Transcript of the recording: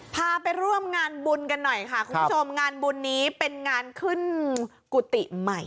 พาไปร่วมงานบุญกันหน่อยค่ะคุณผู้ชมงานบุญนี้เป็นงานขึ้นกุฏิใหม่